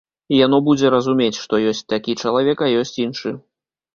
Яно будзе разумець, што ёсць такі чалавек, а ёсць іншы.